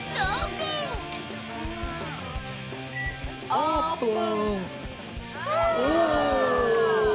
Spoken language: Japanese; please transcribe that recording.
オープン！